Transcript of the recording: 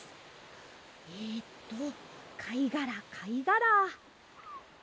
えとかいがらかいがら。